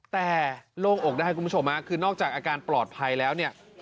แต่โลกอกได้ให้คุณผู้ชมคือนอกจากอาการปลอดภัยแล้ว